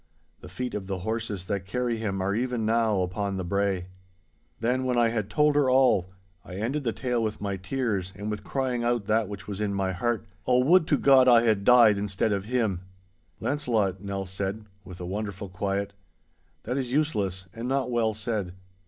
The feet of the horses that carry him are even now upon the brae.' Then, when I had told her all, I ended the tale with my tears and with crying out that which was in my heart, 'Oh, would to God I had died instead of him!' 'Launcelot,' Nell said, with a wonderful quiet, 'that is useless, and not well said.